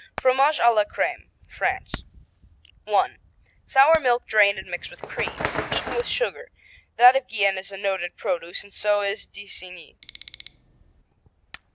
Fromage à la Creme France I. Sour milk drained and mixed with cream. Eaten with sugar. That of Gien is a noted produce, and so is d'Isigny.